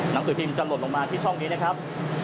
หนังสือพิมพ์จะหล่นลงมาที่ช่องนี้นะครับ